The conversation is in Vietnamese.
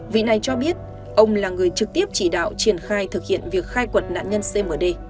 vị này cho biết ông là người trực tiếp chỉ đạo triển khai thực hiện việc khai quật nạn nhân cmd